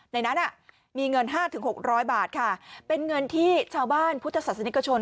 ในนั้นมีเงิน๕๖๐๐บาทค่ะเป็นเงินที่ชาวบ้านพุทธศาสนิกชน